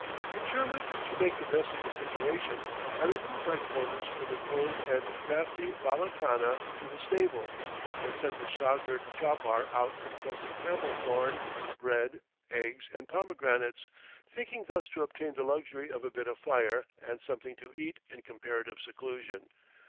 Determined to make the best of the situation, I remove my quarters from the cold and draughty bala khana to the stable, and send the shagird chapar out in quest of camel thorn, bread, eggs, and pomegranates, thinking thus to obtain the luxury of a bit of fire and something to eat in comparative seclusion.